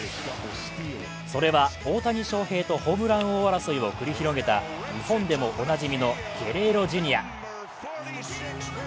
それは大谷翔平とホームラン王争いを繰り広げた日本でもおなじみのゲレーロ・ジュニア。